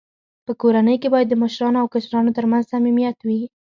په کورنۍ کي باید د مشرانو او کشرانو ترمنځ صميميت وي.